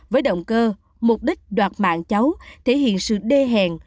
với động cơ mục đích đoạt mạng cháu thể hiện sự đê hẹn